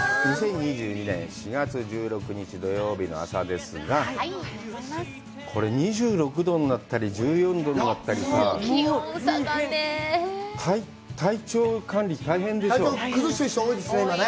２０２２年４月１６日土曜日の朝ですがこれ２６度になったり１４度になったりさ気温下がれ。